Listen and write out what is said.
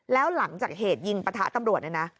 แล้วหลังจากเหตุยิงปะทะตำรวจเนี่ยนะ